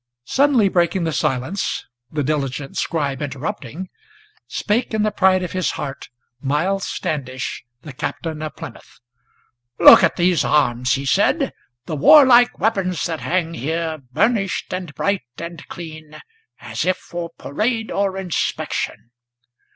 Suddenly breaking the silence, the diligent scribe interrupting, Spake, in the pride of his heart, Miles Standish the Captain of Plymouth. "Look at these arms," he said, "the warlike weapons that hang here Burnished and bright and clean, as if for parade or inspection!